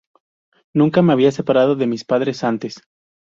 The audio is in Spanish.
Nunca me había separado de mis padres antes.